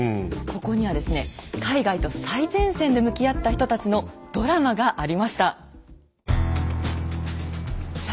ここにはですね海外と最前線で向き合った人たちのドラマがありました。